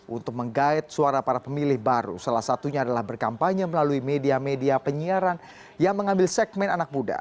untuk menggait suara para pemilih baru salah satunya adalah berkampanye melalui media media penyiaran yang mengambil segmen anak muda